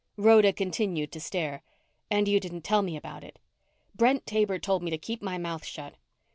Rhoda continued to stare. "And you didn't tell me about it." "Brent Taber told me to keep my mouth shut."